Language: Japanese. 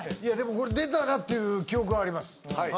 いやでも出たなっていう記憶はあります。